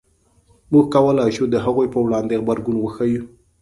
موږ کولای شو د هغوی په وړاندې غبرګون وښیو.